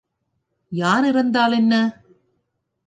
யார் இறந்தால் என்ன?